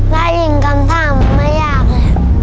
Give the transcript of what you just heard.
ได้ยินคำถามไม่ยากเลย